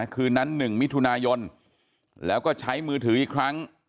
คืนนั้น๑มิถุนายนแล้วก็ใช้มือถืออีกครั้ง